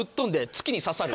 月に刺さる！？